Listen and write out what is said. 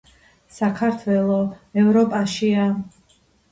საქართველო ევროპაშია